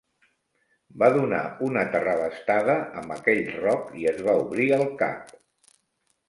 Va donar una terrabastada amb aquell roc i es va obrir el cap.